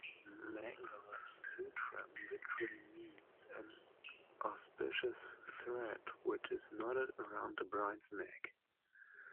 Mangala sutram literally means "an auspicious thread" which is knotted around the bride's neck.